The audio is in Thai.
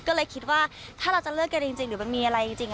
ก็เลยคิดว่าถ้าเราจะเลิกกันจริงหรือมันมีอะไรจริง